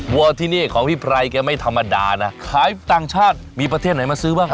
วัวที่นี่ของพี่ไพรแกไม่ธรรมดานะขายต่างชาติมีประเทศไหนมาซื้อบ้าง